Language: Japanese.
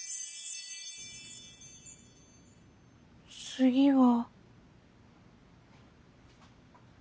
次は。